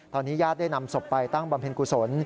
ตอนนี้ญาติได้นำศพไปตั้งบำเพ็ญกุศล